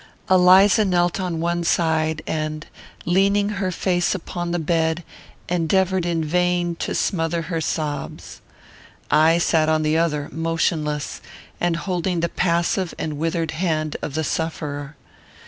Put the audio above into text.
Eliza knelt on one side, and, leaning her face upon the bed, endeavoured in vain to smother her sobs. I sat on the other motionless, and holding the passive and withered hand of the sufferer.